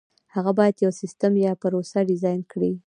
هغه باید یو سیسټم یا پروسه ډیزاین کړي.